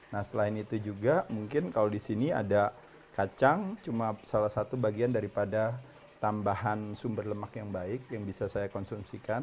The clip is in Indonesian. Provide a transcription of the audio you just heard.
nah selain itu juga mungkin kalau di sini ada kacang cuma salah satu bagian daripada tambahan sumber lemak yang baik yang bisa saya konsumsikan